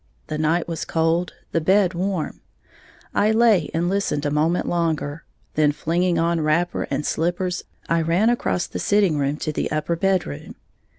The night was cold, the bed warm; I lay and listened a moment longer. Then flinging on wrapper and slippers, I ran across the sitting room to the upper bedroom.